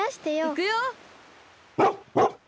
いくよ！